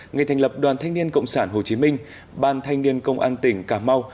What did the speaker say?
ngày thành lập đoàn thanh niên cộng sản hồ chí minh ban thanh niên công an tỉnh cà mau